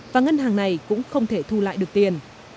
và ngân hàng này cũng không thể thu lại được tiền